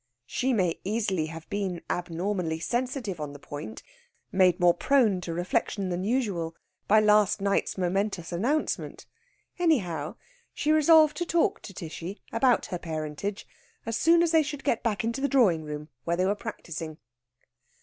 She may easily have been abnormally sensitive on the point made more prone to reflection than usual by last night's momentous announcement. Anyhow, she resolved to talk to Tishy about her parentage as soon as they should get back to the drawing room, where they were practising.